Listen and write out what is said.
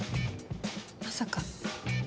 まさか。